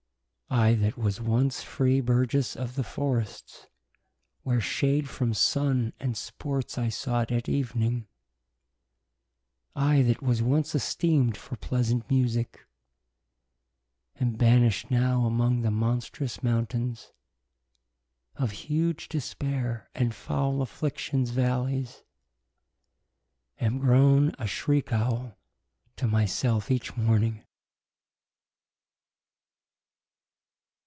I that was once free burges of the forrests , Where shade from Sunne y and sports I sought at evening y I that was once esteem'd for pleasant musique y Am banisht now among the monstrous mountaines Of huge despaire y and foule afflictions vallies y Am growne a shrich owle to my selfe each morning.